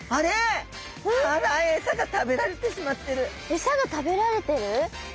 エサが食べられてる？